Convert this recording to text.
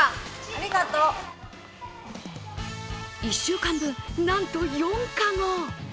１週間分、なんと４カゴ。